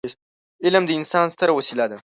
علم د انسان ستره وسيله ده.